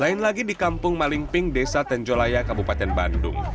lain lagi di kampung malingping desa tenjolaya kabupaten bandung